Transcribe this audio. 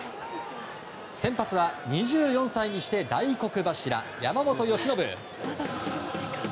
先発は、２４歳にして大黒柱山本由伸。